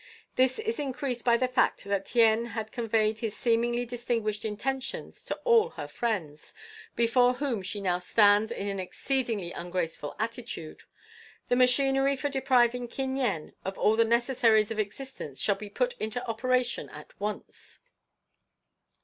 This is increased by the fact that Tien had conveyed his seemingly distinguished intentions to all her friends, before whom she now stands in an exceedingly ungraceful attitude. The machinery for depriving Kin Yen of all the necessaries of existence shall be put into operation at once."